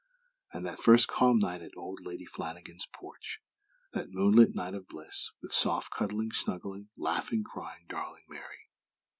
And, that first calm night on Old Lady Flanagan's porch; that moonlit night of bliss, with soft, cuddling, snuggling, laughing, crying darling Mary!